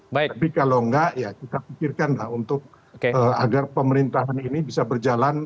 tapi kalau enggak ya kita pikirkanlah untuk agar pemerintahan ini bisa berjalan